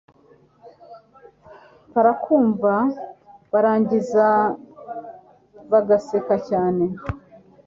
barakumva barangiza bagaseka cyane